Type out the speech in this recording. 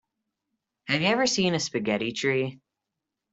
Have you ever seen a spaghetti tree?